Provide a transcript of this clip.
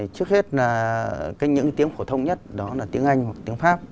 trước hết là những tiếng phổ thông nhất đó là tiếng anh hoặc tiếng pháp